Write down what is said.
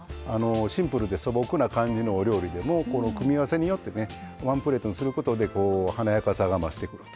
シンプルで素朴な感じのお料理でも組み合わせによってワンプレートにすることで華やかさが増してくると。